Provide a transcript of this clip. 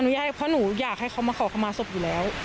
เพราะหนูอยากให้เขามาขอเข้ามาศพอยู่แล้ว